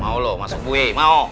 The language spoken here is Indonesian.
mau lo masuk gue mau